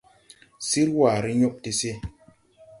Sir ware yõɓ de se.